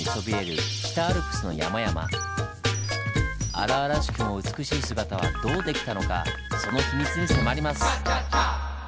荒々しくも美しい姿はどう出来たのかその秘密に迫ります！